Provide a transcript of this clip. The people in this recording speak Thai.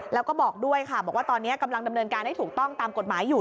แล้วก็บอกด้วยค่ะบอกว่าตอนนี้กำลังดำเนินการให้ถูกต้องตามกฎหมายอยู่